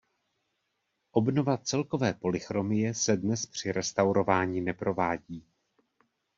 Obnova celkové polychromie se dnes při restaurování neprovádí.